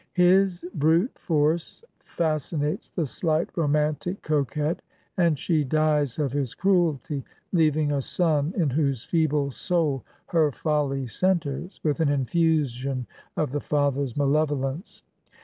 His brute force fascinates the slight, romantic coquette, and she dies of his cruelty, leaving a son in whose feeble soul her folly centres, with an infusion of the father's malevolence.